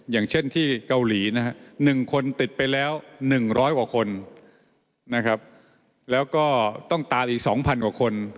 อย่างเช่นที่เกาหลีนะฮะ๑คนติดไปแล้ว๑๐๐กว่าคนนะครับแล้วก็ต้องตามอีก๒๐๐กว่าคน